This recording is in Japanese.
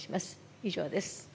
以上です。